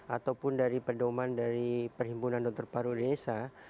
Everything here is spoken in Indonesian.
ataupun dari pedoman dari perhimpunan dokter paru indonesia